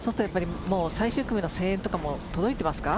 最終組の声援とかも届いてますか。